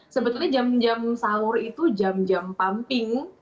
sebetulnya jam jam sahur itu jam jam pumping